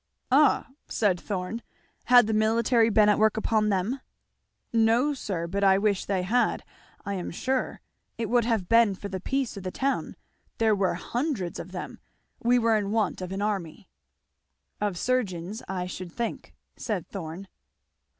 "Ah!" said Thorn, "had the military been at work upon them?" "No sir, but I wish they had, I am sure; it would have been for the peace of the town. There were hundreds of them. We were in want of an army." "Of surgeons, I should think," said Thorn.